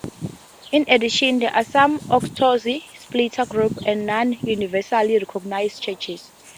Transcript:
In addition, there are some Orthodox splinter groups and non-universally recognized churches.